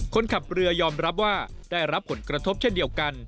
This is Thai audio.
คนขับเรือยอมรับว่าได้รับผลกระทบเช่นเดียวกัน